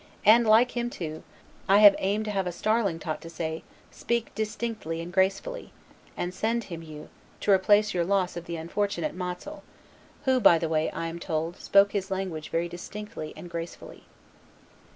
and, like him too, I have aimed to have a starling taught to say, SPEAK DISTINCTLY AND GRACEFULLY, and send him you, to replace your loss of the unfortunate Matzel, who, by the way, I am told, spoke his language very distinctly and gracefully.